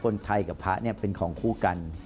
คนไทยกับพระเป็นของคู่กัน